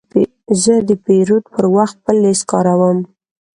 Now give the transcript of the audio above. زه د پیرود پر وخت خپل لیست کاروم.